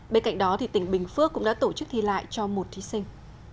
bên cạnh đó tỉnh bình phước cũng đã tổ chức thi lại cho một thí sinh